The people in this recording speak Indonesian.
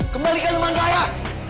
kembalikan teman saya